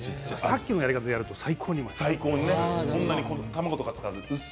さっきのやり方でやると最高にいい。